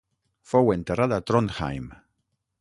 Fou enterrat a Trondheim.